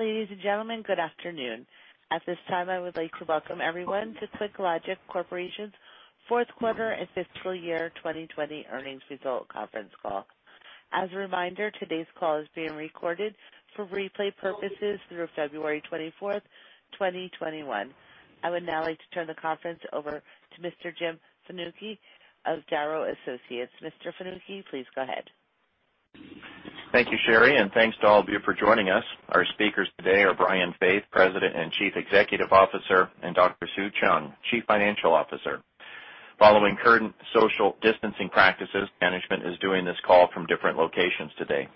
Ladies and gentlemen, good afternoon. At this time, I would like to welcome everyone to QuickLogic Corporation's fourth quarter and fiscal year 2020 earnings result conference call. As a reminder, today's call is being recorded for replay purposes through February 24th, 2021. I would now like to turn the conference over to Mr. Jim Fanucchi of Darrow Associates. Mr. Fanucchi, please go ahead. Thank you, Sherry, and thanks to all of you for joining us. Our speakers today are Brian Faith, President and Chief Executive Officer, and Dr. Sue Cheung, Chief Financial Officer. Following current social distancing practices, management is doing this call from different locations today.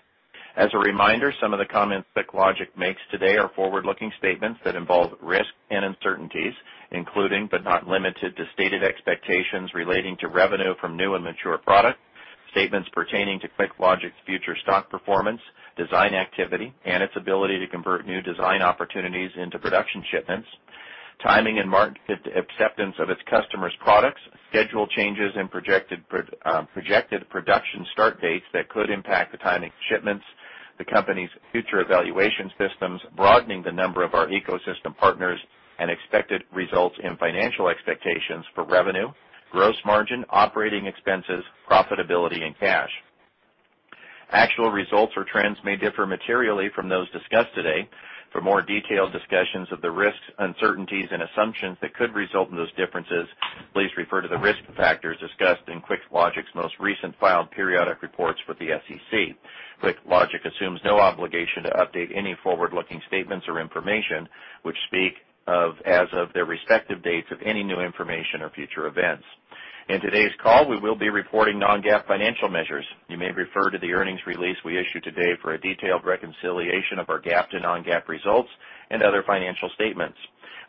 As a reminder, some of the comments QuickLogic makes today are forward-looking statements that involve risks and uncertainties, including, but not limited to, stated expectations relating to revenue from new and mature products, statements pertaining to QuickLogic's future stock performance, design activity, and its ability to convert new design opportunities into production shipments, timing and market acceptance of its customers' products, schedule changes in projected production start dates that could impact the timing of shipments, the company's future evaluation systems, broadening the number of our ecosystem partners, and expected results and financial expectations for revenue, gross margin, operating expenses, profitability, and cash. Actual results or trends may differ materially from those discussed today. For more detailed discussions of the risks, uncertainties, and assumptions that could result in those differences, please refer to the risk factors discussed in QuickLogic's most recent filed periodic reports with the SEC. QuickLogic assumes no obligation to update any forward-looking statements or information, which speak of as of their respective dates of any new information or future events. In today's call, we will be reporting non-GAAP financial measures. You may refer to the earnings release we issued today for a detailed reconciliation of our GAAP to non-GAAP results and other financial statements.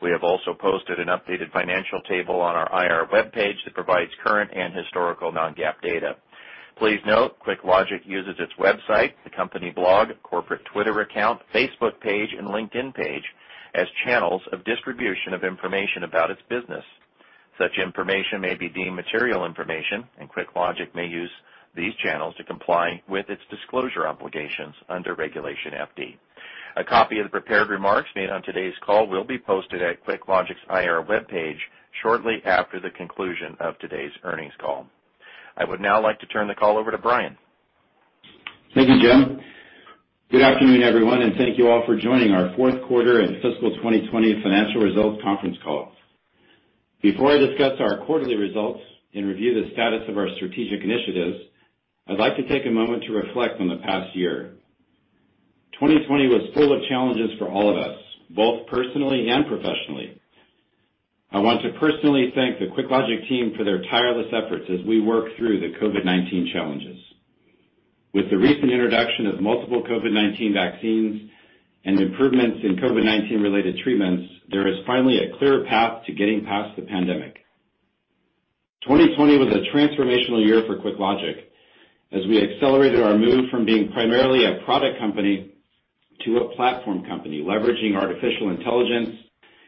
We have also posted an updated financial table on our IR webpage that provides current and historical non-GAAP data. Please note, QuickLogic uses its website, the company blog, corporate Twitter account, Facebook page, and LinkedIn page as channels of distribution of information about its business. Such information may be deemed material information, and QuickLogic may use these channels to comply with its disclosure obligations under Regulation FD. A copy of the prepared remarks made on today's call will be posted at QuickLogic's IR webpage shortly after the conclusion of today's earnings call. I would now like to turn the call over to Brian. Thank you, Jim. Good afternoon, everyone, and thank you all for joining our fourth quarter and fiscal 2020 financial results conference call. Before I discuss our quarterly results and review the status of our strategic initiatives, I'd like to take a moment to reflect on the past year. 2020 was full of challenges for all of us, both personally and professionally. I want to personally thank the QuickLogic team for their tireless efforts as we work through the COVID-19 challenges. With the recent introduction of multiple COVID-19 vaccines and improvements in COVID-19-related treatments, there is finally a clear path to getting past the pandemic. 2020 was a transformational year for QuickLogic, as we accelerated our move from being primarily a product company to a platform company, leveraging artificial intelligence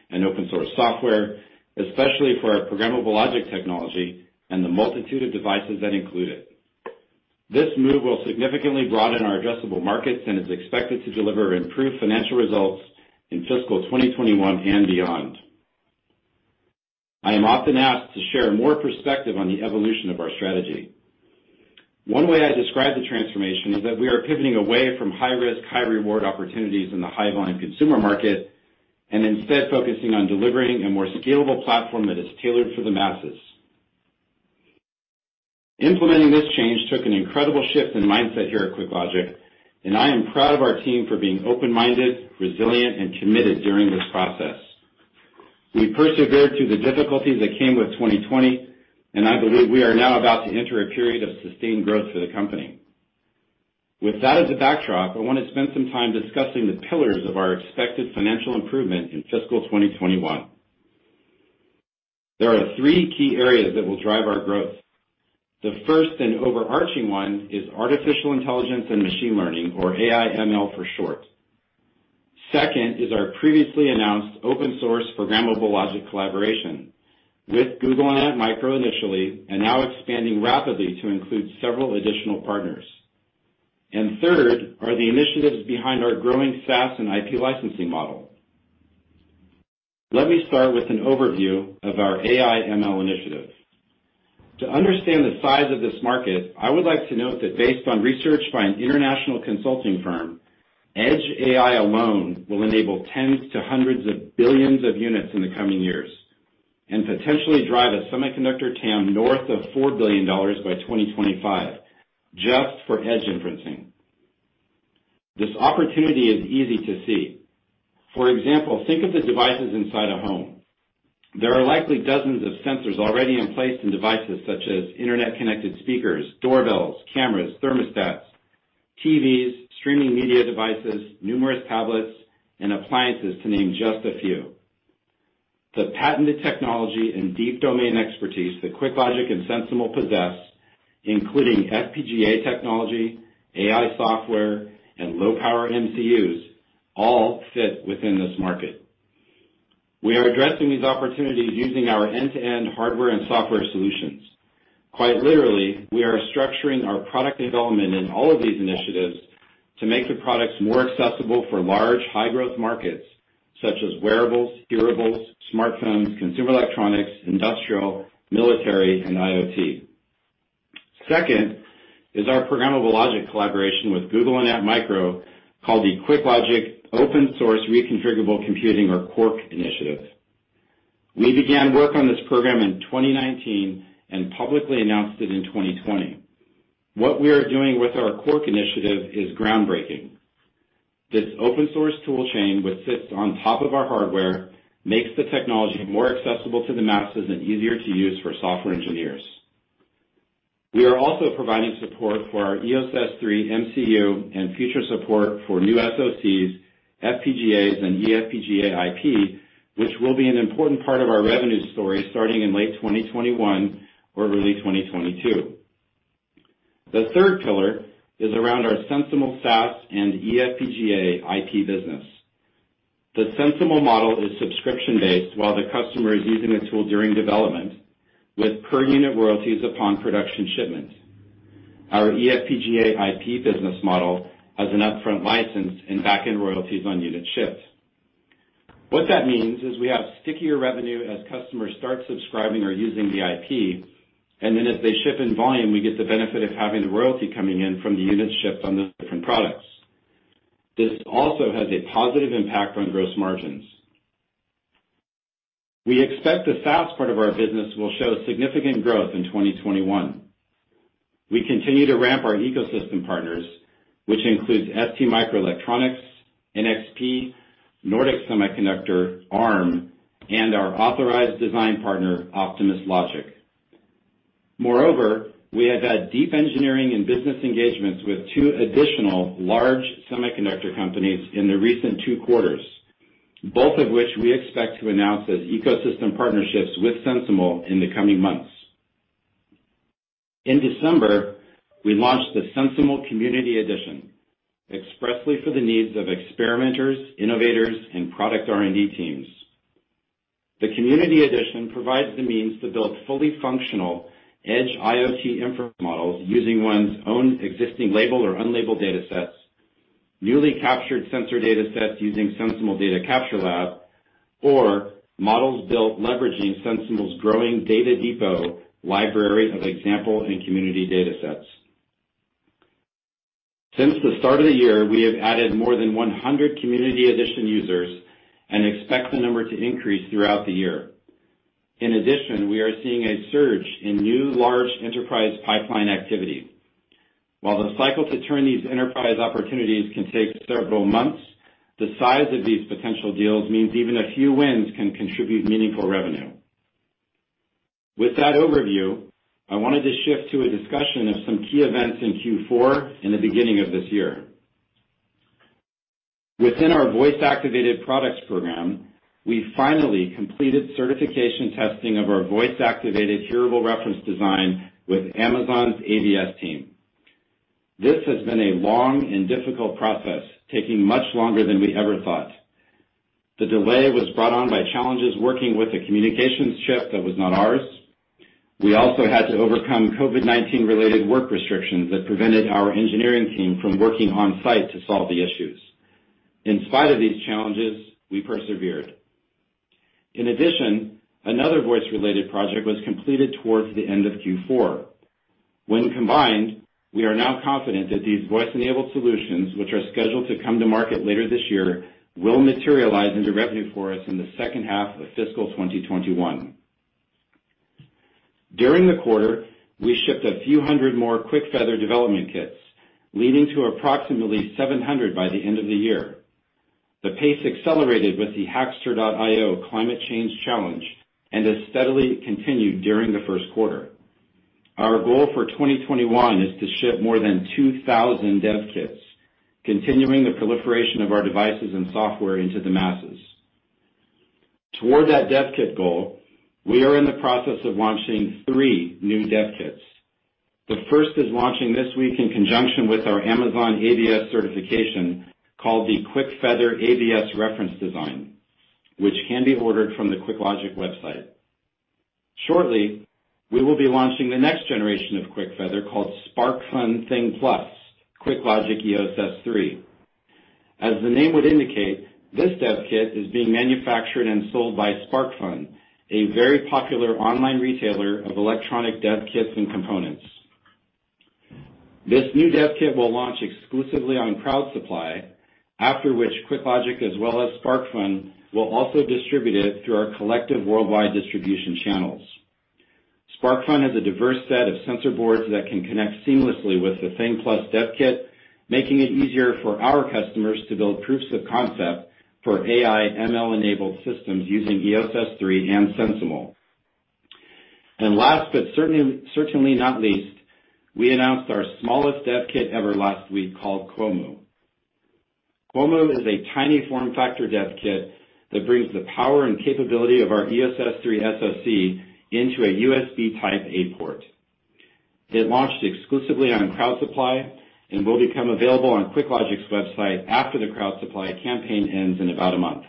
and open source software, especially for our programmable logic technology and the multitude of devices that include it. This move will significantly broaden our addressable markets and is expected to deliver improved financial results in fiscal 2021 and beyond. I am often asked to share more perspective on the evolution of our strategy. One way I describe the transformation is that we are pivoting away from high-risk, high-reward opportunities in the high-volume consumer market and instead focusing on delivering a more scalable platform that is tailored for the masses. Implementing this change took an incredible shift in mindset here at QuickLogic, and I am proud of our team for being open-minded, resilient, and committed during this process. We persevered through the difficulties that came with 2020, and I believe we are now about to enter a period of sustained growth for the company. With that as a backdrop, I want to spend some time discussing the pillars of our expected financial improvement in fiscal 2021. There are three key areas that will drive our growth. The first and overarching one is artificial intelligence and machine learning, or AI/ML for short. Second is our previously announced open-source programmable logic collaboration with Google and Antmicro initially, now expanding rapidly to include several additional partners. Third are the initiatives behind our growing SaaS and IP licensing model. Let me start with an overview of our AI/ML initiative. To understand the size of this market, I would like to note that based on research by an international consulting firm, edge AI alone will enable tens to hundreds of billions of units in the coming years and potentially drive a semiconductor TAM north of $4 billion by 2025 just for edge inferencing. This opportunity is easy to see. For example, think of the devices inside a home. There are likely dozens of sensors already in place in devices such as internet-connected speakers, doorbells, cameras, thermostats, TVs, streaming media devices, numerous tablets, and appliances, to name just a few. The patented technology and deep domain expertise that QuickLogic and SensiML possess, including FPGA technology, AI software, and low-power MCUs, all fit within this market. We are addressing these opportunities using our end-to-end hardware and software solutions. Quite literally, we are structuring our product development in all of these initiatives to make the products more accessible for large, high-growth markets such as wearables, hearables, smartphones, consumer electronics, industrial, military, and IoT. Second is our programmable logic collaboration with Google and Antmicro, called the QuickLogic Open-source Reconfigurable Computing, or QORC, initiative. We began work on this program in 2019 and publicly announced it in 2020. What we are doing with our QORC initiative is groundbreaking. This open-source tool chain, which sits on top of our hardware, makes the technology more accessible to the masses and easier to use for software engineers. We are also providing support for our EOS S3 MCU and future support for new SoCs, FPGAs, and eFPGA IP, which will be an important part of our revenue story starting in late 2021 or early 2022. The third pillar is around our SensiML SaaS and eFPGA IP business. The SensiML model is subscription-based while the customer is using the tool during development, with per-unit royalties upon production shipment. Our eFPGA IP business model has an upfront license and back-end royalties on unit shipped. What that means is we have stickier revenue as customers start subscribing or using the IP, and then as they ship in volume, we get the benefit of having the royalty coming in from the units shipped on the different products. This also has a positive impact on gross margins. We expect the SaaS part of our business will show significant growth in 2021. We continue to ramp our ecosystem partners, which includes STMicroelectronics, NXP, Nordic Semiconductor, Arm, and our authorized design partner, OptimusLogic. We have had deep engineering and business engagements with two additional large semiconductor companies in the recent two quarters, both of which we expect to announce as ecosystem partnerships with SensiML in the coming months. In December, we launched the SensiML Community Edition expressly for the needs of experimenters, innovators, and product R&D teams. The Community Edition provides the means to build fully functional edge IoT inference models using one's own existing labeled or unlabeled datasets, newly captured sensor datasets using SensiML Data Capture Lab, or models built leveraging SensiML's growing Data Depot library of example and community datasets. Since the start of the year, we have added more than 100 Community Edition users and expect the number to increase throughout the year. In addition, we are seeing a surge in new large enterprise pipeline activity. While the cycle to turn these enterprise opportunities can take several months, the size of these potential deals means even a few wins can contribute meaningful revenue. With that overview, I wanted to shift to a discussion of some key events in Q4 and the beginning of this year. Within our voice-activated products program, we finally completed certification testing of our voice-activated hearable reference design with Amazon's AVS team. This has been a long and difficult process, taking much longer than we ever thought. The delay was brought on by challenges working with a communications chip that was not ours. We also had to overcome COVID-19 related work restrictions that prevented our engineering team from working on-site to solve the issues. In spite of these challenges, we persevered. In addition, another voice-related project was completed towards the end of Q4. When combined, we are now confident that these voice-enabled solutions, which are scheduled to come to market later this year, will materialize into revenue for us in the second half of fiscal 2021. During the quarter, we shipped a few hundred more QuickFeather development kits, leading to approximately 700 by the end of the year. The pace accelerated with the Hackster.io Climate Change Challenge and has steadily continued during the first quarter. Our goal for 2021 is to ship more than 2,000 dev kits, continuing the proliferation of our devices and software into the masses. Toward that dev kit goal, we are in the process of launching three new dev kits. The first is launching this week in conjunction with our Amazon AVS certification called the QuickFeather AVS Reference Design, which can be ordered from the QuickLogic website. Shortly, we will be launching the next generation of QuickFeather called SparkFun Thing Plus - QuickLogic EOS S3. As the name would indicate, this dev kit is being manufactured and sold by SparkFun, a very popular online retailer of electronic dev kits and components. This new dev kit will launch exclusively on Crowd Supply, after which QuickLogic as well as SparkFun will also distribute it through our collective worldwide distribution channels. SparkFun has a diverse set of sensor boards that can connect seamlessly with the Thing Plus dev kit, making it easier for our customers to build proofs of concept for AI/ML-enabled systems using EOS S3 and SensiML. Last, but certainly not least, we announced our smallest dev kit ever last week called Qomu. Qomu is a tiny form factor dev kit that brings the power and capability of our EOS S3 SoC into a USB Type-A port. It launched exclusively on Crowd Supply and will become available on QuickLogic's website after the Crowd Supply campaign ends in about a month.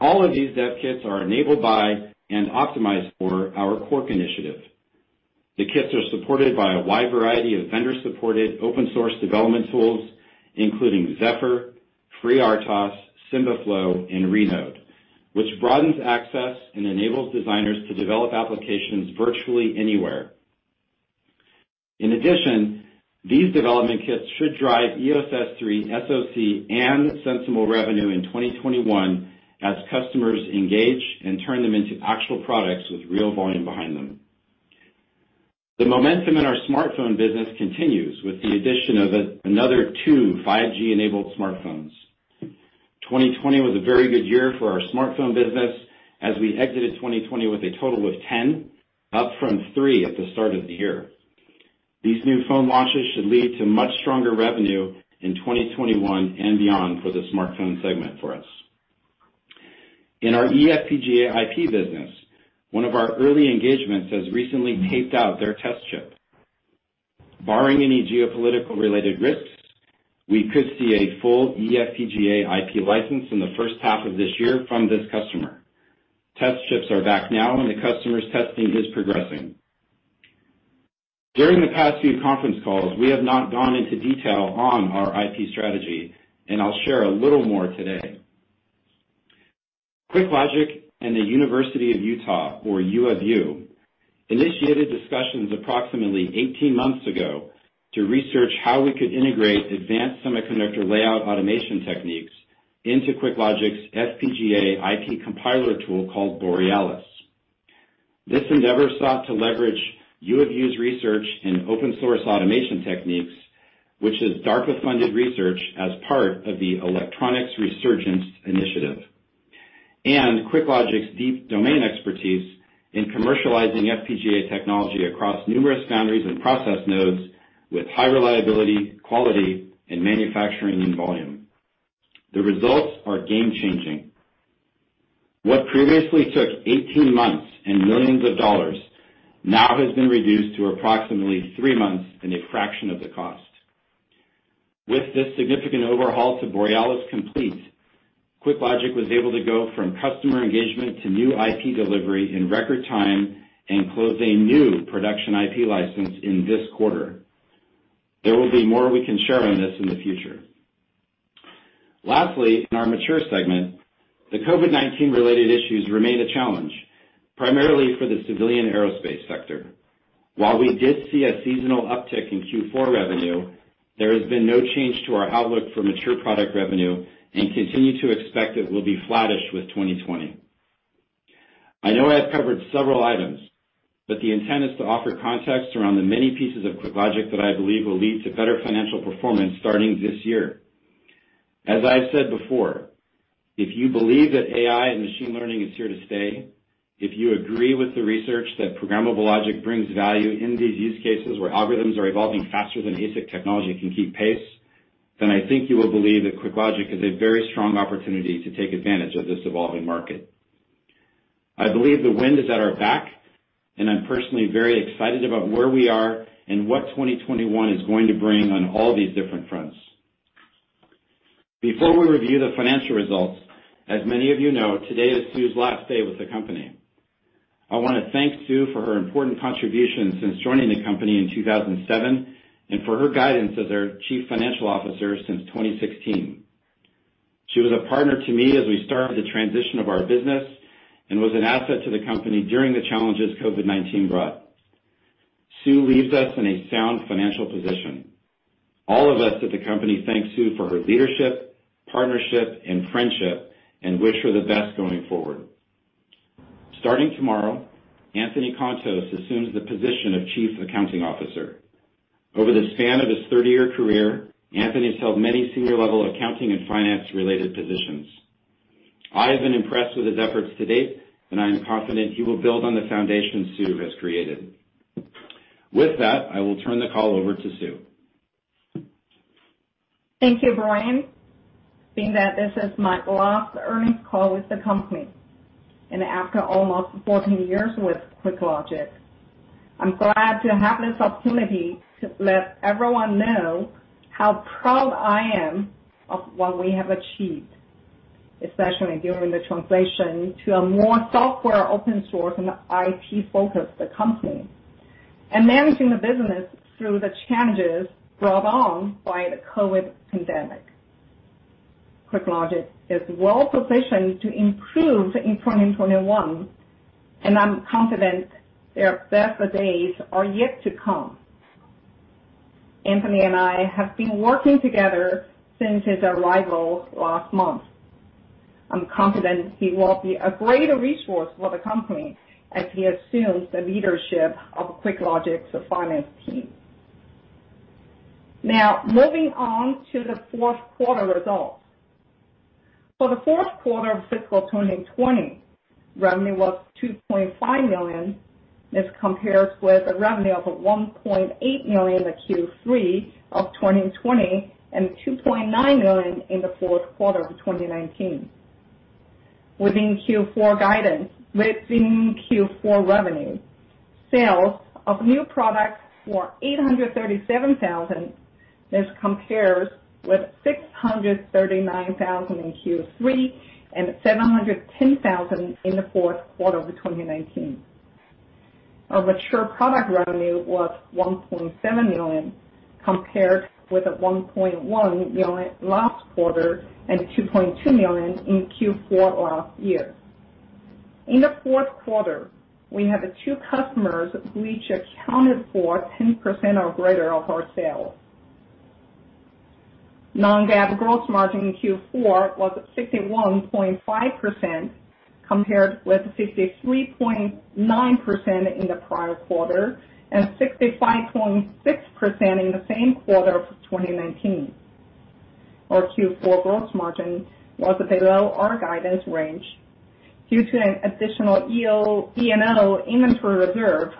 All of these dev kits are enabled by and optimized for our QORC initiative. The kits are supported by a wide variety of vendor-supported open source development tools, including Zephyr, FreeRTOS, SymbiFlow, and Renode, which broadens access and enables designers to develop applications virtually anywhere. In addition, these development kits should drive EOS S3 SoC and SensiML revenue in 2021 as customers engage and turn them into actual products with real volume behind them. The momentum in our smartphone business continues with the addition of another two 5G-enabled smartphones. 2020 was a very good year for our smartphone business as we exited 2020 with a total of 10, up from three at the start of the year. These new phone launches should lead to much stronger revenue in 2021 and beyond for the smartphone segment for us. In our eFPGA IP business, one of our early engagements has recently taped out their test chip. Barring any geopolitical-related risks, we could see a full eFPGA IP license in the first half of this year from this customer. Test chips are back now, and the customer's testing is progressing. During the past few conference calls, we have not gone into detail on our IP strategy, and I'll share a little more today. QuickLogic and the University of Utah, or U of U, initiated discussions approximately 18 months ago to research how we could integrate advanced semiconductor layout automation techniques into QuickLogic's FPGA IP compiler tool called Australis. This endeavor sought to leverage U of U's research in open source automation techniques, which is DARPA-funded research as part of the Electronics Resurgence Initiative, and QuickLogic's deep domain expertise in commercializing FPGA technology across numerous boundaries and process nodes with high reliability, quality, and manufacturing in volume. The results are game-changing. What previously took 18 months and millions of dollars now has been reduced to approximately three months and a fraction of the cost. With this significant overhaul to Australis complete, QuickLogic was able to go from customer engagement to new IP delivery in record time and close a new production IP license in this quarter. There will be more we can share on this in the future. In our mature segment, the COVID-19-related issues remain a challenge, primarily for the civilian aerospace sector. While we did see a seasonal uptick in Q4 revenue, there has been no change to our outlook for mature product revenue and continue to expect it will be flattish with 2020. I know I've covered several items, but the intent is to offer context around the many pieces of QuickLogic that I believe will lead to better financial performance starting this year. As I've said before, if you believe that AI and Machine Learning is here to stay, if you agree with the research that programmable logic brings value in these use cases where algorithms are evolving faster than ASIC technology can keep pace, then I think you will believe that QuickLogic is a very strong opportunity to take advantage of this evolving market. I believe the wind is at our back, I'm personally very excited about where we are and what 2021 is going to bring on all these different fronts. Before we review the financial results, as many of you know, today is Sue's last day with the company. I want to thank Sue for her important contributions since joining the company in 2007 and for her guidance as our Chief Financial Officer since 2016. She was a partner to me as we started the transition of our business and was an asset to the company during the challenges COVID-19 brought. Sue leaves us in a sound financial position. All of us at the company thank Sue for her leadership, partnership, and friendship, and wish her the best going forward. Starting tomorrow, Anthony Contos assumes the position of Chief Accounting Officer. Over the span of his 30-year career, Anthony has held many senior-level accounting and finance-related positions. I have been impressed with his efforts to date, and I am confident he will build on the foundation Sue has created. With that, I will turn the call over to Sue. Thank you, Brian. Being that this is my last earnings call with the company, and after almost 14 years with QuickLogic, I'm glad to have this opportunity to let everyone know how proud I am of what we have achieved, especially during the translation to a more software, open source, and IP-focused company, and managing the business through the challenges brought on by the COVID pandemic. QuickLogic is well-positioned to improve in 2021, and I'm confident their best days are yet to come. Anthony and I have been working together since his arrival last month. I'm confident he will be a great resource for the company as he assumes the leadership of QuickLogic's finance team. Moving on to the fourth quarter results. For the fourth quarter of fiscal 2020, revenue was $2.5 million. This compares with a revenue of $1.8 million in Q3 of 2020 and $2.9 million in the fourth quarter of 2019. Within Q4 guidance, within Q4 revenue, sales of new products were $837,000. This compares with $639,000 in Q3 and $710,000 in the fourth quarter of 2019. Our mature product revenue was $1.7 million, compared with $1.1 million last quarter and $2.2 million in Q4 of last year. In the fourth quarter, we had two customers which accounted for 10% or greater of our sales. Non-GAAP gross margin in Q4 was 61.5%, compared with 63.9% in the prior quarter and 65.6% in the same quarter of 2019. Our Q4 gross margin was below our guidance range due to an additional E&O inventory reserve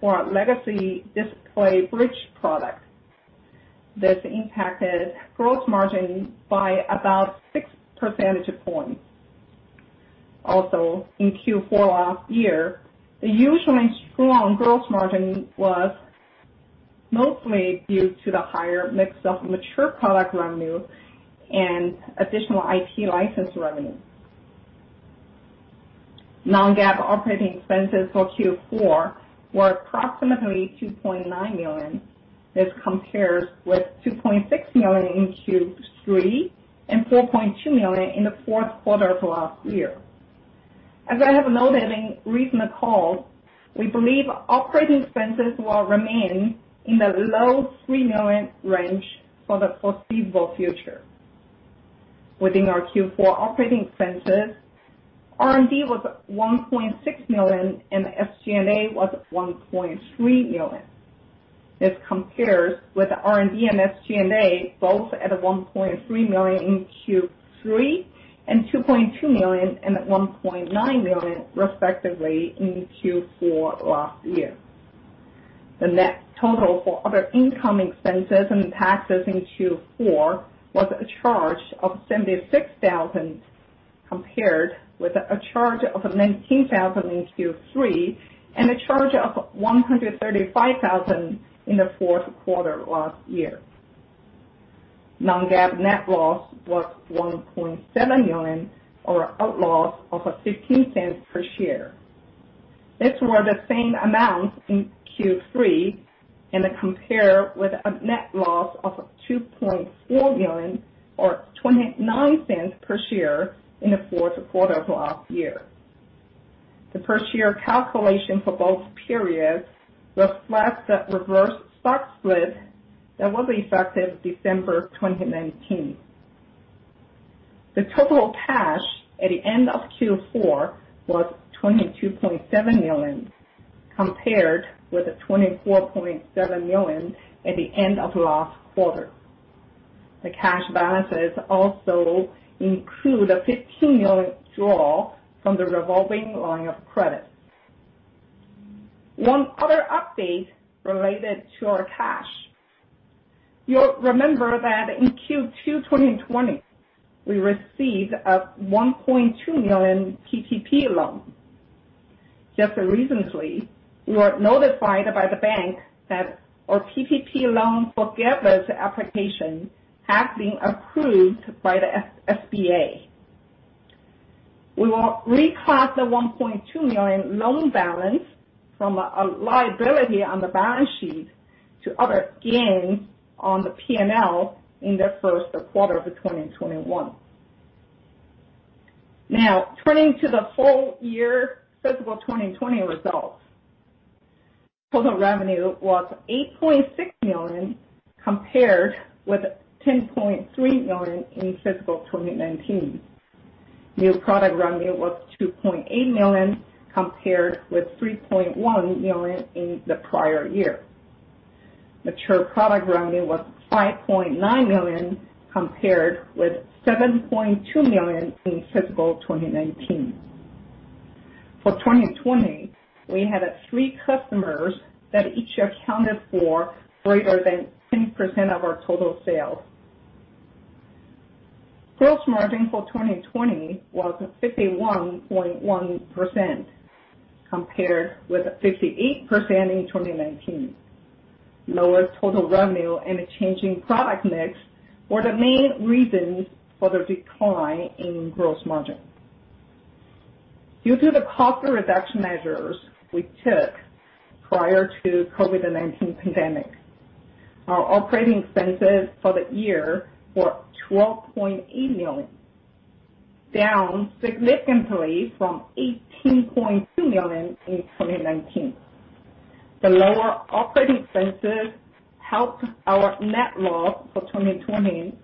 for our legacy display bridge product that impacted gross margin by about 6 percentage points. In Q4 last year, the usually strong gross margin was mostly due to the higher mix of mature product revenue and additional IP license revenue. Non-GAAP operating expenses for Q4 were approximately $2.9 million. This compares with $2.6 million in Q3 and $4.2 million in the fourth quarter of last year. As I have noted in recent calls, we believe operating expenses will remain in the low $3 million range for the foreseeable future. Within our Q4 operating expenses, R&D was $1.6 million and SG&A was $1.3 million. This compares with R&D and SG&A both at $1.3 million in Q3 and $2.2 million and $1.9 million, respectively, in Q4 last year. The net total for other income expenses and taxes in Q4 was a charge of $76,000, compared with a charge of $19,000 in Q3 and a charge of $135,000 in the fourth quarter last year. Non-GAAP net loss was $1.7 million, or a loss of $0.15 per share. This were the same amount in Q3 and compared with a net loss of $2.4 million or $0.29 per share in the fourth quarter of last year. The per share calculation for both periods reflects the reverse stock split that was effective December 2019. The total cash at the end of Q4 was $22.7 million, compared with $24.7 million at the end of last quarter. The cash balances also include a $15 million draw from the revolving line of credit. One other update related to our cash. You'll remember that in Q2 2020, we received a $1.2 million PPP loan. Just recently, we were notified by the bank that our PPP loan forgiveness application has been approved by the SBA. We will reclass the $1.2 million loan balance from a liability on the balance sheet to other gains on the P&L in the first quarter of 2021. Now, turning to the full year fiscal 2020 results. Total revenue was $8.6 million, compared with $10.3 million in fiscal 2019. New product revenue was $2.8 million, compared with $3.1 million in the prior year. Mature product revenue was $5.9 million, compared with $7.2 million in fiscal 2019. For 2020, we had three customers that each accounted for greater than 10% of our total sales. Gross margin for 2020 was 51.1%, compared with 58% in 2019. Lower total revenue and a change in product mix were the main reasons for the decline in gross margin. Due to the cost reduction measures we took prior to COVID-19 pandemic, our operating expenses for the year were $12.8 million, down significantly from $18.2 million in 2019. The lower operating expenses helped our net loss for 2020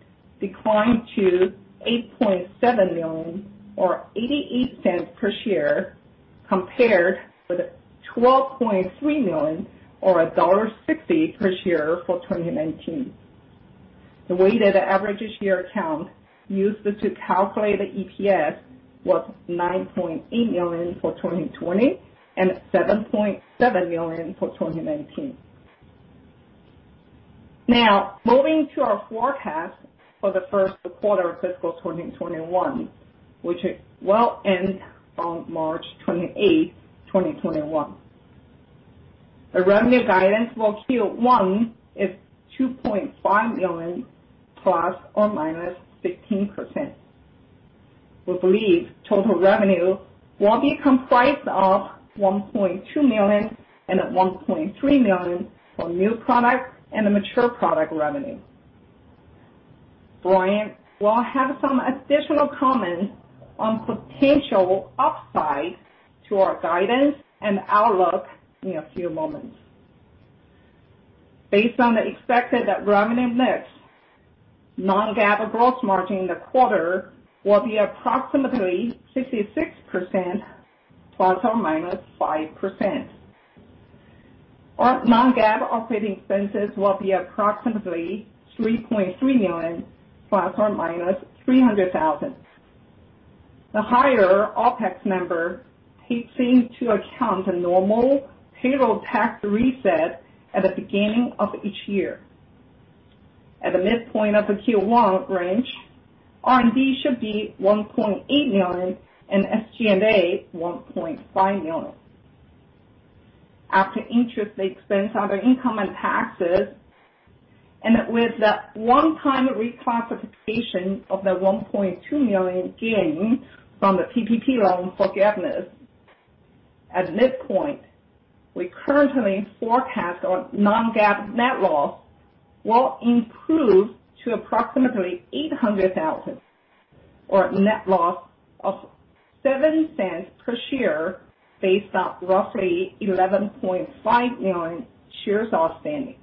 decline to $8.7 million or $0.88 per share, compared with $12.3 million or $1.60 per share for 2019. The weighted average share count used to calculate the EPS was 9.8 million for 2020 and 7.7 million for 2019. Moving to our forecast for the first quarter of fiscal 2021, which will end on March 28th, 2021. The revenue guidance for Q1 is $2.5 million ±15%. We believe total revenue will be comprised of $1.2 million and $1.3 million for new product and mature product revenue. Brian will have some additional comments on potential upside to our guidance and outlook in a few moments. Based on the expected revenue mix, non-GAAP gross margin in the quarter will be approximately 66% ±5%. Our non-GAAP operating expenses will be approximately $3.3 million ±$300,000. The higher OpEx number takes into account the normal payroll tax reset at the beginning of each year. At the midpoint of the Q1 range, R&D should be $1.8 million and SG&A $1.5 million. After interest expense, other income and taxes, and with the one-time reclassification of the $1.2 million gain from the PPP loan forgiveness, at midpoint, we currently forecast our non-GAAP net loss will improve to approximately $800,000, or a net loss of $0.07 per share, based on roughly 11.5 million shares outstanding.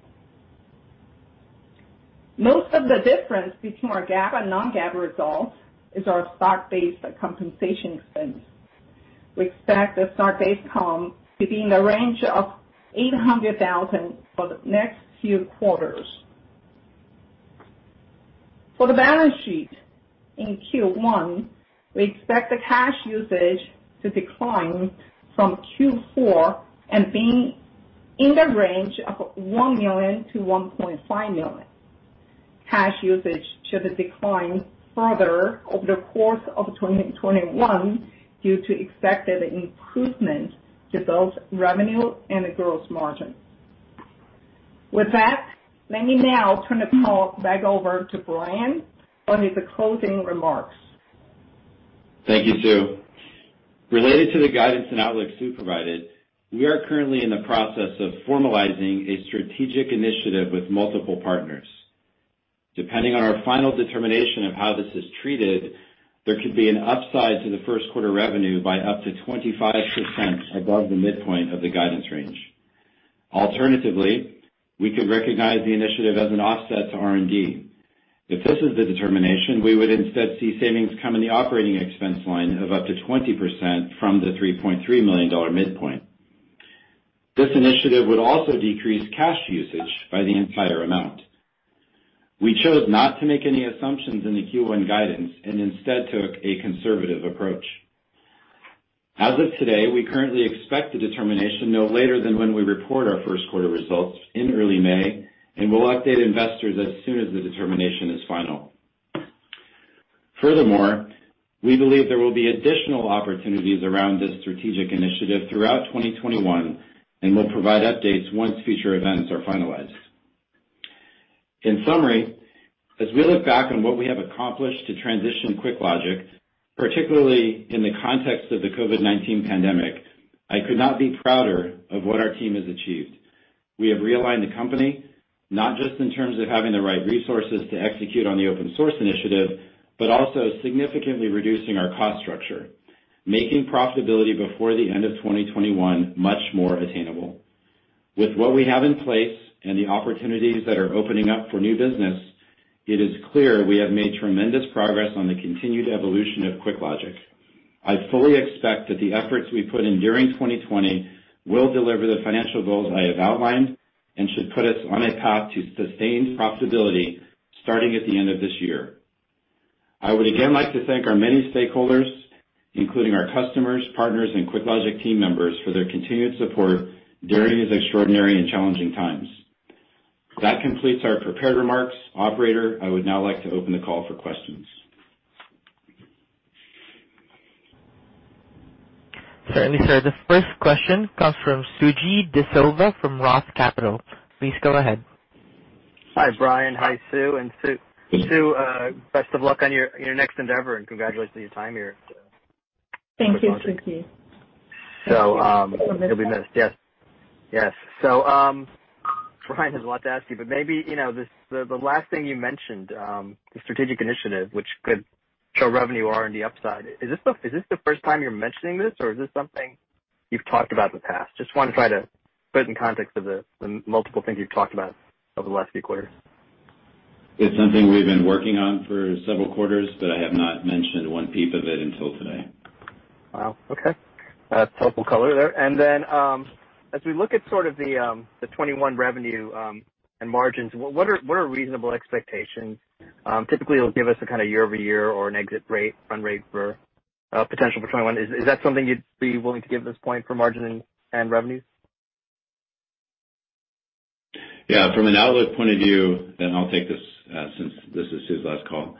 Most of the difference between our GAAP and non-GAAP results is our stock-based compensation expense. We expect the stock-based comp to be in the range of $800,000 for the next few quarters. For the balance sheet in Q1, we expect the cash usage to decline from Q4 and be in the range of $1 million-$1.5 million. Cash usage should decline further over the course of 2021 due to expected improvement to both revenue and gross margin. With that, let me now turn the call back over to Brian for his closing remarks. Thank you, Sue. Related to the guidance and outlook Sue provided, we are currently in the process of formalizing a strategic initiative with multiple partners. Depending on our final determination of how this is treated, there could be an upside to the first quarter revenue by up to 25% above the midpoint of the guidance range. Alternatively, we could recognize the initiative as an offset to R&D. If this is the determination, we would instead see savings come in the operating expense line of up to 20% from the $3.3 million midpoint. This initiative would also decrease cash usage by the entire amount. We chose not to make any assumptions in the Q1 guidance and instead took a conservative approach. As of today, we currently expect the determination no later than when we report our first quarter results in early May, and we'll update investors as soon as the determination is final. Furthermore, we believe there will be additional opportunities around this strategic initiative throughout 2021, and we'll provide updates once future events are finalized. In summary, as we look back on what we have accomplished to transition QuickLogic, particularly in the context of the COVID-19 pandemic, I could not be prouder of what our team has achieved. We have realigned the company, not just in terms of having the right resources to execute on the open-source initiative, but also significantly reducing our cost structure, making profitability before the end of 2021 much more attainable. With what we have in place and the opportunities that are opening up for new business, it is clear we have made tremendous progress on the continued evolution of QuickLogic. I fully expect that the efforts we put in during 2020 will deliver the financial goals I have outlined and should put us on a path to sustained profitability starting at the end of this year. I would again like to thank our many stakeholders, including our customers, partners, and QuickLogic team members, for their continued support during these extraordinary and challenging times. That completes our prepared remarks. Operator, I would now like to open the call for questions. Certainly, sir. The first question comes from Suji Desilva from Roth Capital. Please go ahead. Hi, Brian. Hi, Sue. Sue, best of luck on your next endeavor and congratulations on your time here. Thank you, Suji. You'll be missed. Yes. Brian, there's a lot to ask you, but maybe the last thing you mentioned, the strategic initiative, which could show revenue or R&D upside. Is this the first time you're mentioning this, or is this something you've talked about in the past? Just want to try to put it in context of the multiple things you've talked about over the last few quarters. It's something we've been working on for several quarters, but I have not mentioned one peep of it until today. Wow. Okay. Helpful color there. As we look at sort of the 2021 revenue and margins, what are reasonable expectations? Typically, you'll give us a kind of year-over-year or an exit rate, run rate potential for 2021. Is that something you'd be willing to give at this point for margin and revenues? Yeah. From an outlook point of view, and I'll take this since this is Sue's last call,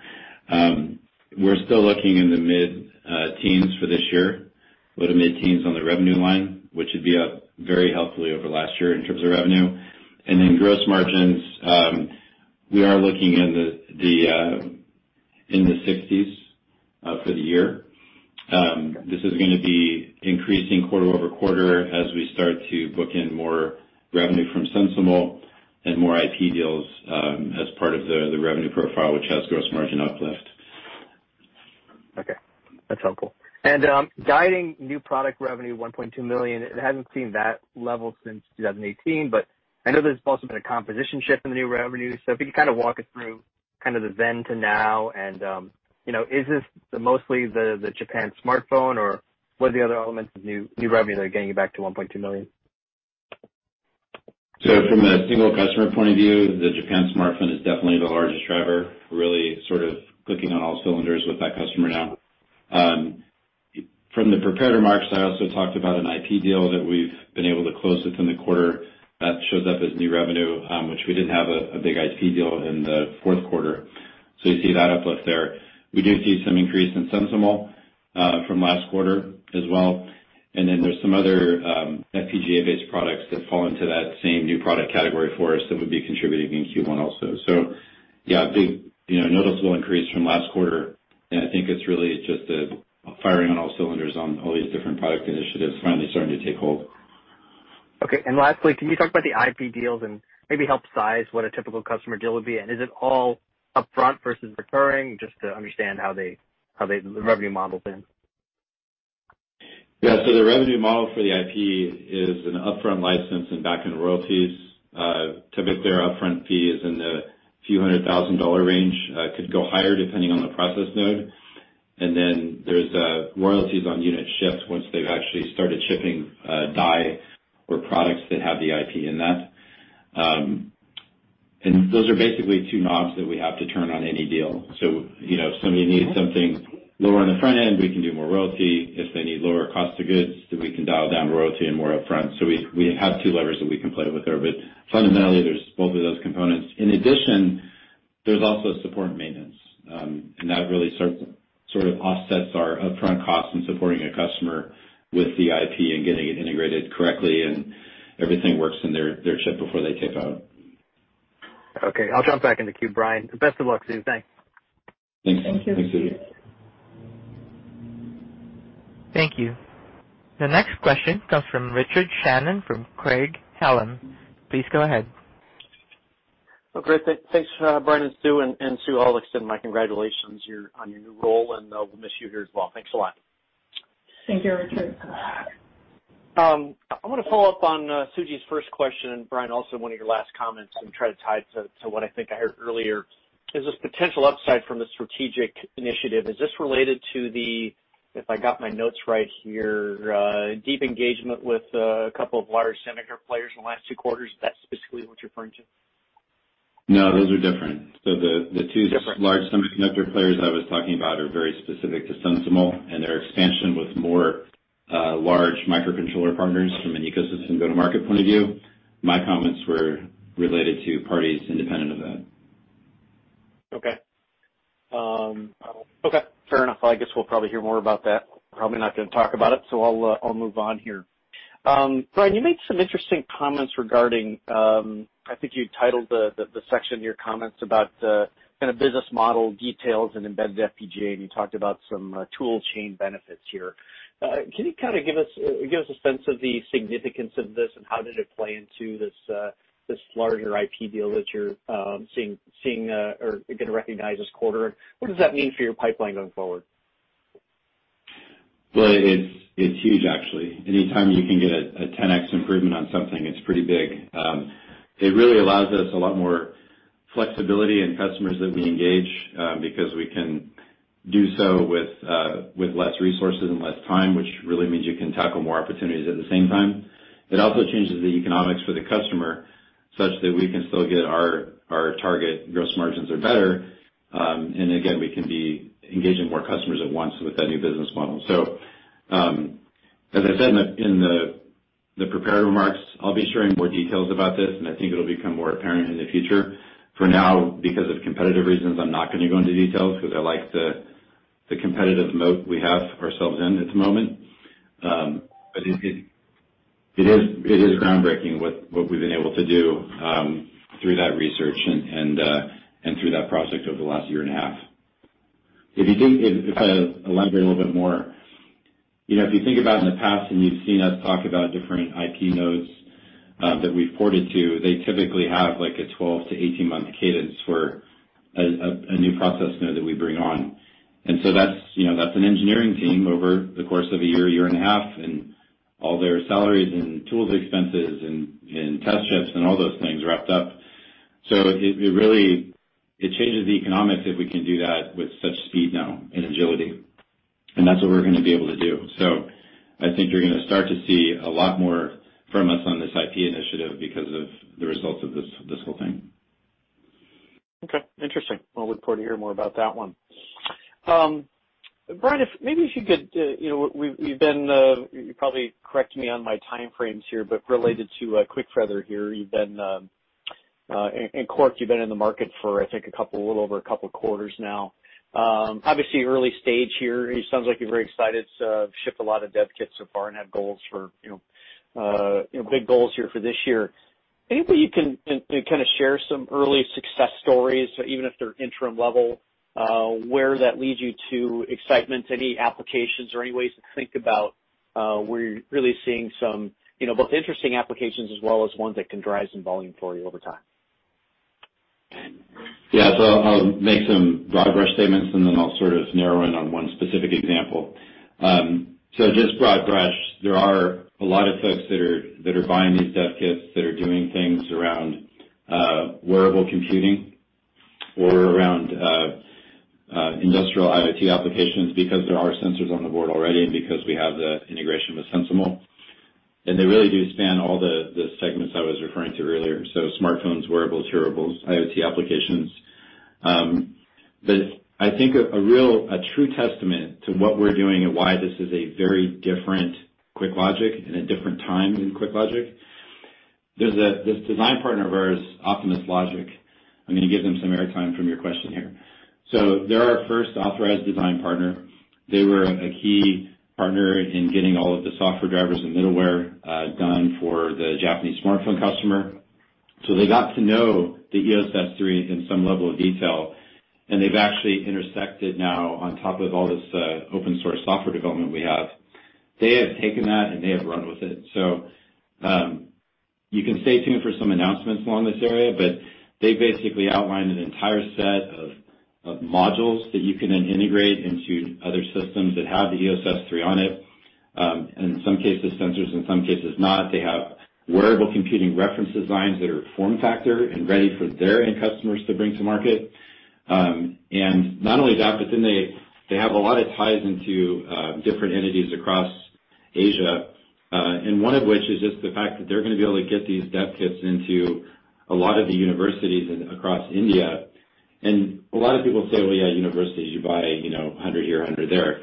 we're still looking in the mid-teens for this year, low to mid-teens on the revenue line, which should be up very healthily over last year in terms of revenue. Gross margins, we are looking in the 60s for the year. This is going to be increasing quarter-over-quarter as we start to book in more revenue from SensiML and more IP deals as part of the revenue profile, which has gross margin uplift. Okay. That's helpful. Guiding new product revenue, $1.2 million, it hasn't seen that level since 2018. I know there's also been a composition shift in the new revenue. If you could kind of walk us through kind of the then to now and is this mostly the Japan smartphone, or what are the other elements of new revenue that are getting you back to $1.2 million? From a single customer point of view, the Japan smartphone is definitely the largest driver, really sort of clicking on all cylinders with that customer now. From the prepared remarks, I also talked about an IP deal that we've been able to close within the quarter that shows up as new revenue, which we didn't have a big IP deal in the fourth quarter, so you see that uplift there. We do see some increase in SensiML from last quarter as well. There's some other FPGA-based products that fall into that same new product category for us that would be contributing in Q1 also. Yeah, a big noticeable increase from last quarter, and I think it's really just a firing on all cylinders on all these different product initiatives finally starting to take hold. Okay. Lastly, can you talk about the IP deals and maybe help size what a typical customer deal would be? Is it all upfront versus recurring? Just to understand how the revenue model fits in. The revenue model for the IP is an upfront license and back-end royalties. Typically, our upfront fee is in the few hundred thousand dollar range. Could go higher depending on the process node. There's royalties on unit shipped once they've actually started shipping die or products that have the IP in that. Those are basically two knobs that we have to turn on any deal. If somebody needs something lower on the front end, we can do more royalty. If they need lower cost of goods, we can dial down royalty and more upfront. We have two levers that we can play with there, fundamentally, there's both of those components. In addition, there's also support and maintenance, and that really sort of offsets our upfront cost in supporting a customer with the IP and getting it integrated correctly, and everything works in their chip before they tape out. Okay. I'll drop back in the queue, Brian. Best of luck, Sue. Thanks. Thanks, Suji. Thank you. Thank you. The next question comes from Richard Shannon from Craig-Hallum. Please go ahead. Great. Thanks, Brian and Sue, and Sue, I'll extend my congratulations on your new role, and we'll miss you here as well. Thanks a lot. Thank you, Richard. I want to follow up on Suji's first question and Brian, also one of your last comments and try to tie it to what I think I heard earlier. Is this potential upside from the strategic initiative, is this related to the, if I got my notes right here, deep engagement with a couple of large semiconductor players in the last two quarters? Is that specifically what you're referring to? No, those are different. Different The two large semiconductor players I was talking about are very specific to SensiML and their expansion with more large microcontroller partners from an ecosystem go-to-market point of view. My comments were related to parties independent of that. Okay. Fair enough. I guess we'll probably hear more about that. Probably not going to talk about it. I'll move on here. Brian, you made some interesting comments regarding, I think you titled the section in your comments about the kind of business model details and embedded FPGA, and you talked about some tool chain benefits here. Can you kind of give us a sense of the significance of this and how did it play into this larger IP deal that you're seeing or going to recognize this quarter? What does that mean for your pipeline going forward? Well, it's huge, actually. Anytime you can get a 10x improvement on something, it's pretty big. It really allows us a lot more flexibility in customers that we engage, because we can do so with less resources and less time, which really means you can tackle more opportunities at the same time. It also changes the economics for the customer such that we can still get our target gross margins or better. Again, we can be engaging more customers at once with that new business model. As I said in the prepared remarks, I'll be sharing more details about this, and I think it'll become more apparent in the future. For now, because of competitive reasons, I'm not going to go into details because I like the competitive moat we have ourselves in at the moment. It is groundbreaking what we've been able to do through that research and through that process over the last year and a half. If I elaborate a little bit more, if you think about in the past and you've seen us talk about different IP nodes that we've ported to, they typically have, like, a 12-18-month cadence for a new process node that we bring on. That's an engineering team over the course of a year and a half, and all their salaries and tools expenses and test chips and all those things wrapped up. It really changes the economics if we can do that with such speed now and agility. That's what we're going to be able to do. I think you're going to start to see a lot more from us on this IP initiative because of the results of this whole thing. Okay, interesting. Well, look forward to hear more about that one. Brian, you probably correct me on my time frames here, but related to QuickFeather here, and QORC, you've been in the market for, I think, a little over a couple of quarters now. Obviously early stage here. It sounds like you're very excited to ship a lot of dev kits so far and have big goals here for this year. Anything you can kind of share some early success stories, even if they're interim level, where that leads you to excitement, any applications or any ways to think about where you're really seeing some both interesting applications as well as ones that can drive some volume for you over time? Yeah. I'll make some broad brush statements, and then I'll sort of narrow in on one specific example. Just broad brush, there are a lot of folks that are buying these dev kits that are doing things around wearable computing or around industrial IoT applications because there are sensors on the board already and because we have the integration with SensiML, and they really do span all the segments I was referring to earlier. Smartphones, wearables, hearables, IoT applications. I think a true testament to what we're doing and why this is a very different QuickLogic and a different time in QuickLogic, there's this design partner of ours, OptimusLogic. I'm going to give them some air time from your question here. They're our first authorized design partner. They were a key partner in getting all of the software drivers and middleware done for the Japanese smartphone customer. They got to know the EOS S3 in some level of detail, and they've actually intersected now on top of all this open source software development we have. They have taken that, and they have run with it. You can stay tuned for some announcements along this area, but they basically outlined an entire set of modules that you can then integrate into other systems that have the EOS S3 on it, and in some cases, sensors, in some cases, not. They have wearable computing reference designs that are form factor and ready for their end customers to bring to market. Not only that, they have a lot of ties into different entities across Asia. One of which is just the fact that they're going to be able to get these dev kits into a lot of the universities across India. A lot of people say, "Well, yeah, universities, you buy 100 here, 100 there."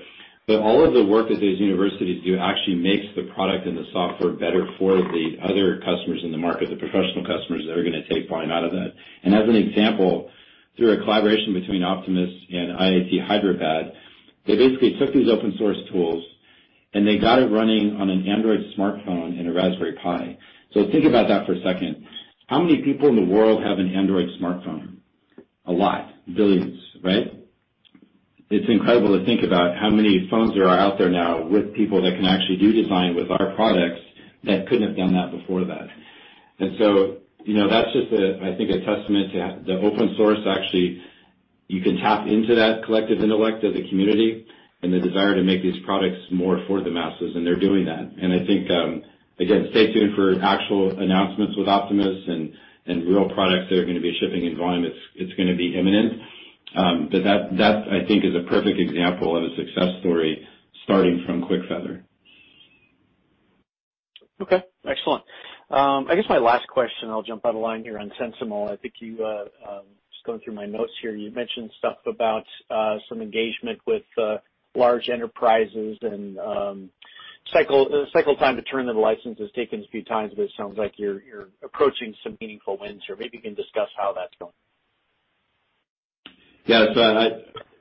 All of the work that those universities do actually makes the product and the software better for the other customers in the market, the professional customers that are going to take volume out of that. As an example, through a collaboration between Optimus and IIT Hyderabad, they basically took these open source tools, and they got it running on an Android smartphone and a Raspberry Pi. Think about that for a second. How many people in the world have an Android smartphone? A lot. Billions, right? It's incredible to think about how many phones there are out there now with people that can actually do design with our products that couldn't have done that before that. That's just I think a testament to the open source, actually, you can tap into that collective intellect of the community and the desire to make these products more for the masses, and they're doing that. I think, again, stay tuned for actual announcements with Optimus and real products that are going to be shipping in volume. It's going to be imminent. That, I think, is a perfect example of a success story starting from QuickFeather. Excellent. I guess my last question, I'll jump out of line here on SensiML. Just going through my notes here, you mentioned stuff about some engagement with large enterprises and the cycle time to turn the license has taken a few times, but it sounds like you're approaching some meaningful wins or maybe you can discuss how that's going.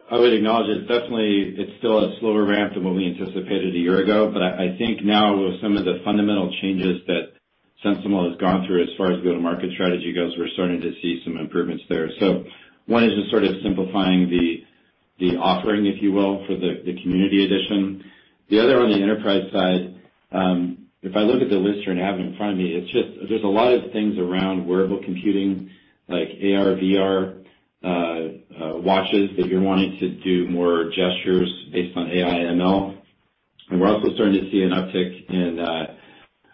I would acknowledge it's definitely still a slower ramp than what we anticipated a year ago, but I think now with some of the fundamental changes that SensiML has gone through as far as go-to-market strategy goes, we're starting to see some improvements there. One is just sort of simplifying the offering, if you will, for the Community Edition. The other on the enterprise side, if I look at the list here and I have it in front of me, there's a lot of things around wearable computing, like AR, VR, watches, if you're wanting to do more gestures based on AI/ML. We're also starting to see an uptick in, I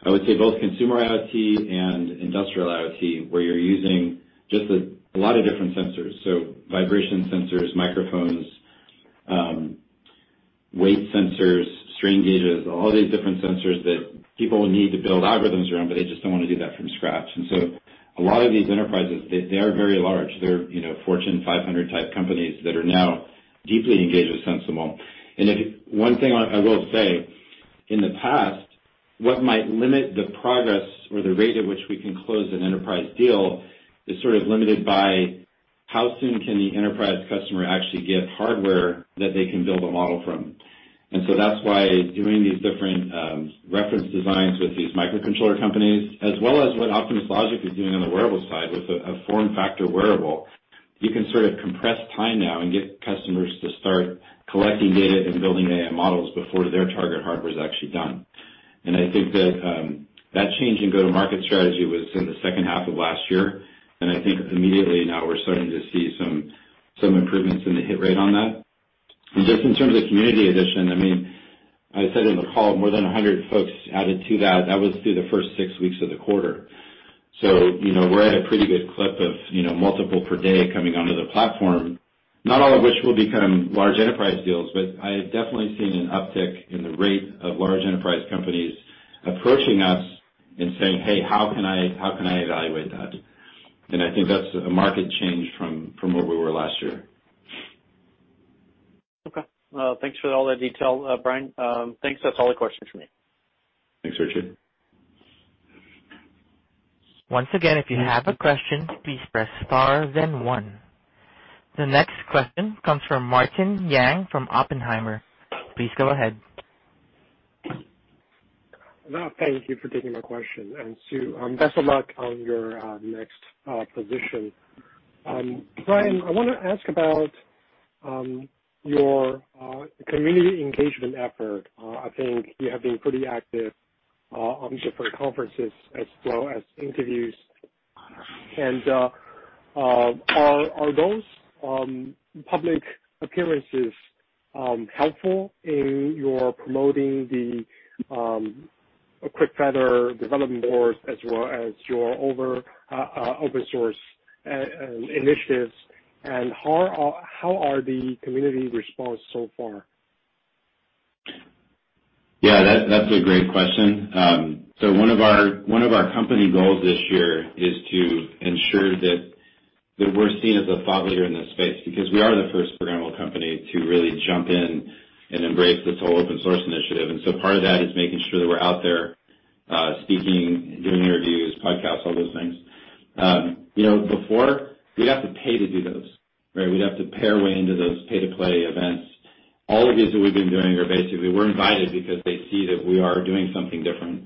would say, both consumer IoT and industrial IoT, where you're using just a lot of different sensors. Vibration sensors, microphones, weight sensors, strain gauges, all these different sensors that people need to build algorithms around, but they just don't want to do that from scratch. A lot of these enterprises, they are very large. They're Fortune 500 type companies that are now deeply engaged with SensiML. One thing I will say, in the past, what might limit the progress or the rate at which we can close an enterprise deal is sort of limited by how soon can the enterprise customer actually get hardware that they can build a model from. That's why doing these different reference designs with these microcontroller companies, as well as what OptimusLogic is doing on the wearable side with a form factor wearable, you can sort of compress time now and get customers to start collecting data and building AI models before their target hardware is actually done. I think that that change in go-to-market strategy was in the second half of last year, and I think immediately now we're starting to see some improvements in the hit rate on that. Just in terms of Community Edition, I said in the call, more than 100 folks added to that. That was through the first six weeks of the quarter. We're at a pretty good clip of multiple per day coming onto the platform. Not all of which will become large enterprise deals, but I have definitely seen an uptick in the rate of large enterprise companies approaching us and saying, "Hey, how can I evaluate that?" I think that's a market change from where we were last year. Well, thanks for all that detail, Brian. Thanks. That's all the questions from me. Thanks, Richard. Once again, if you have a question, please press star then one. The next question comes from Martin Yang from Oppenheimer. Please go ahead. Thank you for taking my question, and Sue, best of luck on your next position. Brian, I want to ask about your community engagement effort. I think you have been pretty active on your conferences and interviews. Are those public appearances helpful in your promoting the QuickFeather development board as well as your open source initiatives, and how are the community response so far? That's a great question. One of our company goals this year is to ensure that we're seen as a thought leader in this space, because we are the first programmable company to really jump in and embrace this whole open source initiative. Part of that is making sure that we're out there speaking, doing interviews, podcasts, all those things. Before, we'd have to pay to do those, right? We'd have to pay our way into those pay-to-play events. All of these that we've been doing are basically, we're invited because they see that we are doing something different,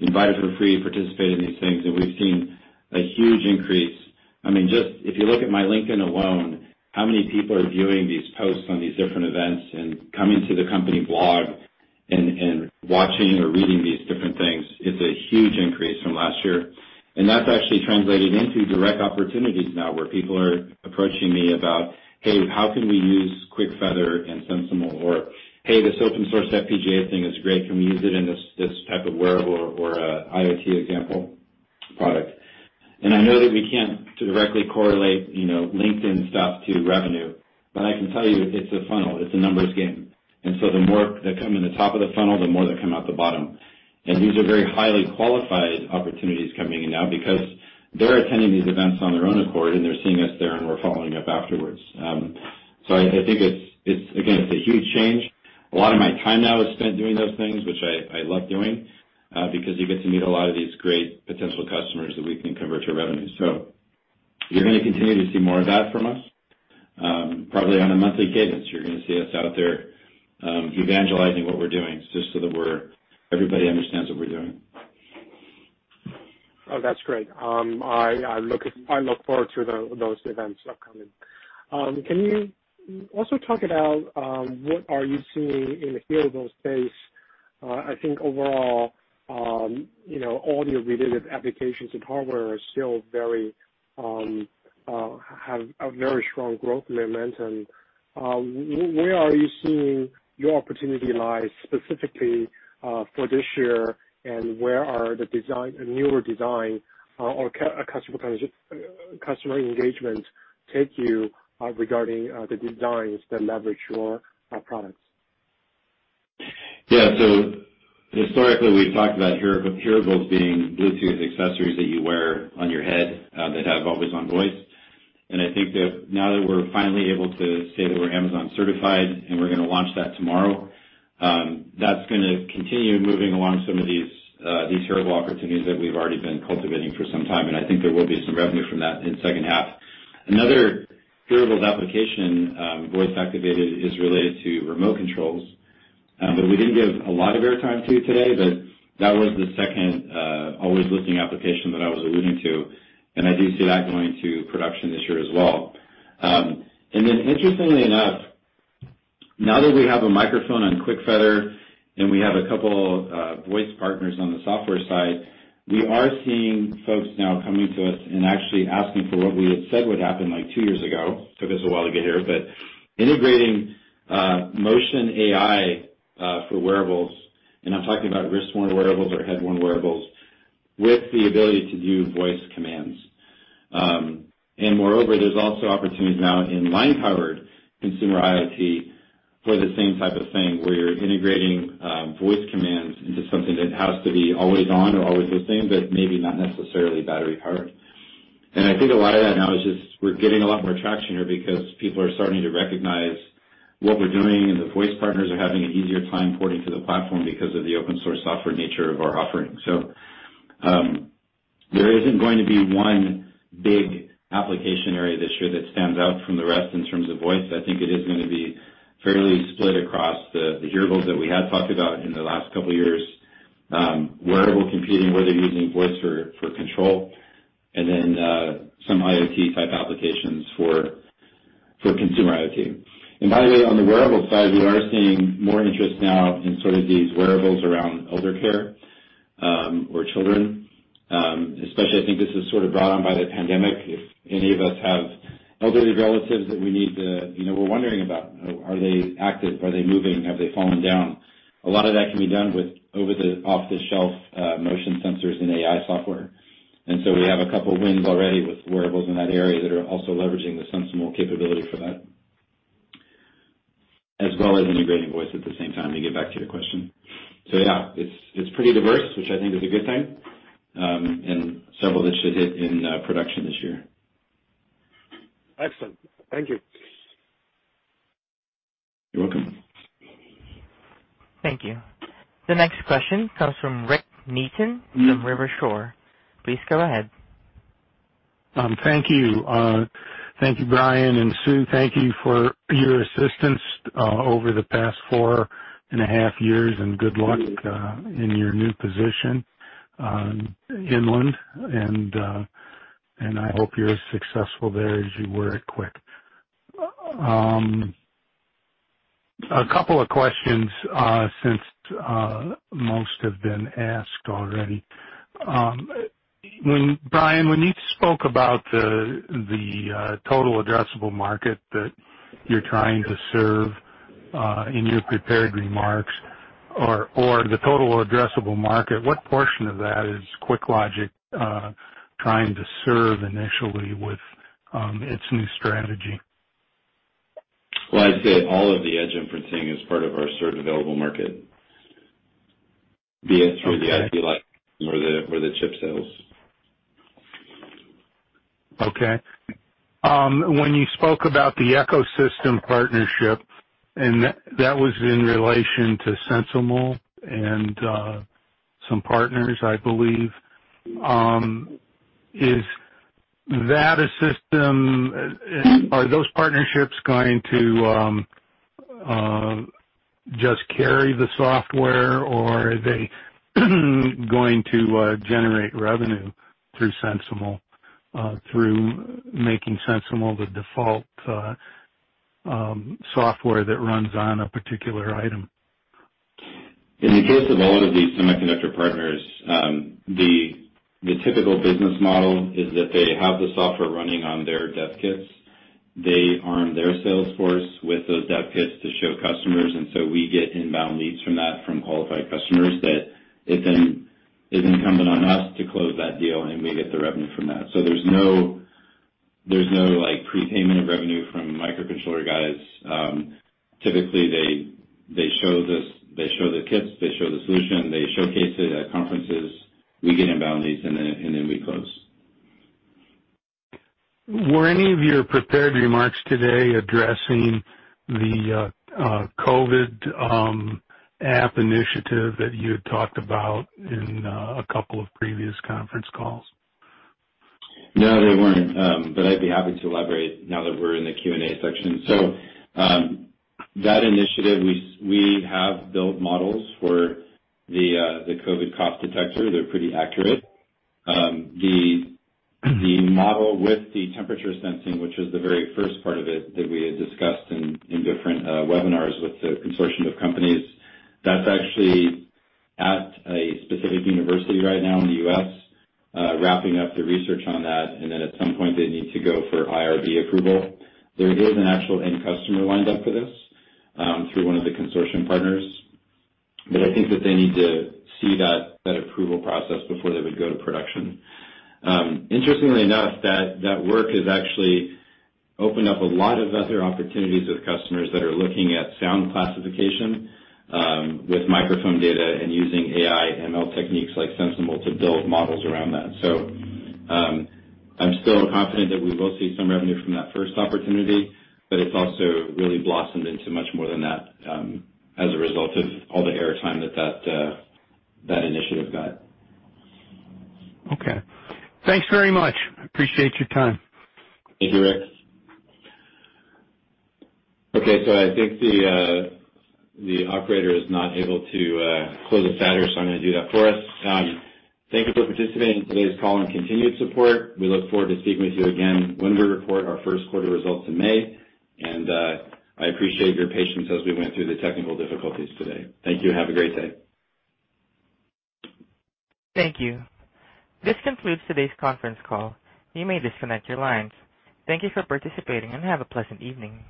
invited for free to participate in these things, and we've seen a huge increase. If you look at my LinkedIn alone, how many people are viewing these posts on these different events and coming to the company blog and watching or reading these different things, it's a huge increase from last year. That's actually translated into direct opportunities now, where people are approaching me about, "Hey, how can we use QuickFeather and SensiML?" "Hey, this open source FPGA thing is great. Can we use it in this type of wearable or IoT example product?" I know that we can't directly correlate LinkedIn stuff to revenue, but I can tell you, it's a funnel. It's a numbers game. The more that come in the top of the funnel, the more that come out the bottom. These are very highly qualified opportunities coming in now because they're attending these events on their own accord, and they're seeing us there and we're following up afterwards. I think it's, again, it's a huge change. A lot of my time now is spent doing those things, which I love doing, because you get to meet a lot of these great potential customers that we can convert to revenue. You're going to continue to see more of that from us, probably on a monthly cadence. You're going to see us out there evangelizing what we're doing just so that everybody understands what we're doing. Oh, that's great. I look forward to those events upcoming. Can you also talk about what are you seeing in the hearable space? I think overall, all your related applications and hardware have a very strong growth momentum. Where are you seeing your opportunity lies specifically, for this year, and where are the newer design or customer engagement take you regarding the designs that leverage your products? Yeah. Historically, we've talked about hearables being Bluetooth accessories that you wear on your head, that have always-on voice. I think that now that we're finally able to say that we're Amazon certified and we're gonna launch that tomorrow, that's gonna continue moving along some of these hearable opportunities that we've already been cultivating for some time. I think there will be some revenue from that in second half. Another hearables application, voice-activated, is related to remote controls. We didn't give a lot of airtime to today, but that was the second always-listening application that I was alluding to, and I do see that going to production this year as well. Interestingly enough, now that we have a microphone on QuickFeather and we have a couple voice partners on the software side, we are seeing folks now coming to us and actually asking for what we had said would happen, like two years ago. Took us a while to get here, but integrating motion AI for wearables, and I'm talking about wrist-worn wearables or head-worn wearables with the ability to do voice commands. Moreover, there's also opportunities now in line-powered consumer IoT for the same type of thing, where you're integrating voice commands into something that has to be always on or always listening, but maybe not necessarily battery-powered. I think a lot of that now is just we're getting a lot more traction here because people are starting to recognize what we're doing, and the voice partners are having an easier time porting to the platform because of the open source software nature of our offering. There isn't going to be one big application area this year that stands out from the rest in terms of voice. I think it is going to be fairly split across the hearables that we had talked about in the last couple of years, wearable computing, whether using voice for control and then some IoT-type applications for consumer IoT. By the way, on the wearable side, we are seeing more interest now in sort of these wearables around eldercare, or children. Especially, I think this is sort of brought on by the pandemic. If any of us have elderly relatives that we're wondering about, are they active? Are they moving? Have they fallen down? A lot of that can be done with off-the-shelf motion sensors and AI software. We have a couple wins already with wearables in that area that are also leveraging the SensiML capability for that, as well as integrating voice at the same time, to get back to your question. Yeah, it's pretty diverse, which I think is a good thing, and several that should hit in production this year. Excellent. Thank you. You're welcome. Thank you. The next question comes from Rick Neaton from Rivershore. Please go ahead. Thank you. Thank you, Brian and Sue. Thank you for your assistance over the past four and a half years. Good luck in your new position, inland, I hope you're as successful there as you were at QuickLogic. A couple of questions, since most have been asked already. Brian, when you spoke about the total addressable market that you're trying to serve, in your prepared remarks or the total addressable market, what portion of that is QuickLogic trying to serve initially with its new strategy? Well, I'd say all of the edge inferencing is part of our serviceable available market, be it through the IP license or the chip sales. Okay. When you spoke about the ecosystem partnership, and that was in relation to SensiML and some partners, I believe. Are those partnerships going to just carry the software, or are they going to generate revenue through SensiML, through making SensiML the default software that runs on a particular item? In the case of all of these semiconductor partners, the typical business model is that they have the software running on their dev kits. They arm their sales force with those dev kits to show customers, and so we get inbound leads from that, from qualified customers, that it's then incumbent on us to close that deal and we get the revenue from that. There's no prepayment of revenue from microcontroller guys. Typically, they show the kits, they show the solution, they showcase it at conferences. We get inbound leads and then we close. Were any of your prepared remarks today addressing the COVID app initiative that you had talked about in a couple of previous conference calls? No, they weren't. I'd be happy to elaborate now that we're in the Q&A section. That initiative, we have built models for the COVID cough detector. They're pretty accurate. The model with the temperature sensing, which was the very first part of it that we had discussed in different webinars with the consortium of companies, that's actually at a specific university right now in the U.S., wrapping up the research on that, and then at some point they need to go for IRB approval. There is an actual end customer lined up for this, through one of the consortium partners. I think that they need to see that approval process before they would go to production. Interestingly enough, that work has actually opened up a lot of other opportunities with customers that are looking at sound classification, with microphone data and using AI/ML techniques like SensiML to build models around that. I'm still confident that we will see some revenue from that first opportunity, but it's also really blossomed into much more than that, as a result of all the air time that initiative got. Okay. Thanks very much. Appreciate your time. Thank you, Rick. Okay. I think the operator is not able to close us out here, so I'm going to do that for us. Thank you for participating in today's call and continued support. We look forward to speaking with you again when we report our first quarter results in May, and I appreciate your patience as we went through the technical difficulties today. Thank you. Have a great day. Thank you. This concludes today's conference call. You may disconnect your lines. Thank you for participating, and have a pleasant evening.